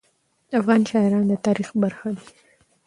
افغان شاعران د تاریخ برخه دي.